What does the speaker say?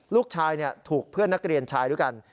ลูกชายถูกเพื่อนนักเรียนชายด้วยกัน